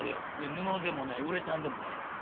布でもないウレタンでもないやつや。